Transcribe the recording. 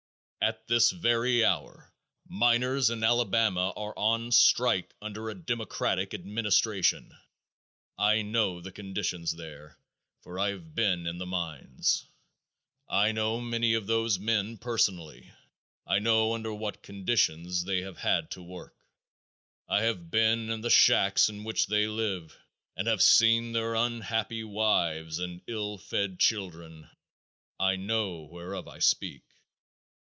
At this very hour miners in Alabama are on strike under a democratic administration. I know the condition there, for I have been in the mines. I know many of those men personally. I know under what conditions they have had to work. I have been in the shacks in which they live and have seen their unhappy wives and ill fed children. I know whereof I speak.